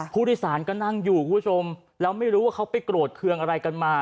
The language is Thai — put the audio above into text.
ผู้โดยสารก็นั่งอยู่คุณผู้ชมแล้วไม่รู้ว่าเขาไปโกรธเคืองอะไรกันมา